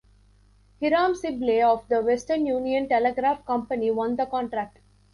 Hiram Sibley of the Western Union Telegraph Company won the contract.